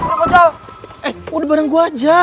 eh udah bareng gue aja